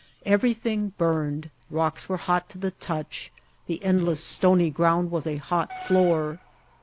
Everything burned, rocks were hot to the touch, the endless stony ground was a hot floor.